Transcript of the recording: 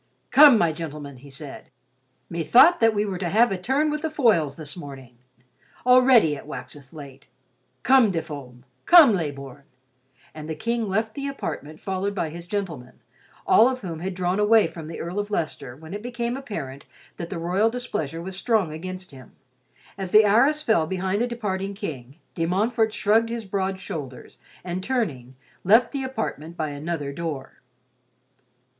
"Come, my gentlemen," he said, "methought that we were to have a turn with the foils this morning. Already it waxeth late. Come, De Fulm! Come, Leybourn!" and the King left the apartment followed by his gentlemen, all of whom had drawn away from the Earl of Leicester when it became apparent that the royal displeasure was strong against him. As the arras fell behind the departing King, De Montfort shrugged his broad shoulders, and turning, left the apartment by another door.